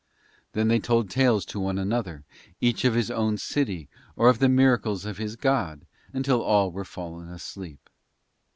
Then they told tales to one another, each of his own city or of the miracles of his god, until all were fallen asleep.